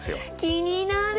気になる！